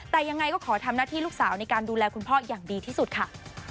แต่ยังไงก็ขอทำหน้าที่ลูกสาวในการดูแลคุณพ่ออย่างดีที่สุดค่ะ